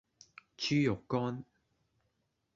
豬肉乾